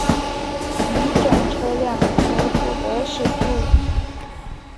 乙种车辆则不得驶入。